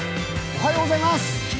おはようございます。